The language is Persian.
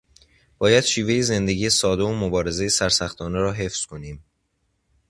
باید شیوهٔ زندگی ساده و مبارزه سرسختانه را حفظ کنیم.